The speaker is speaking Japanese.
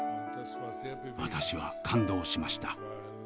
私は感動しました。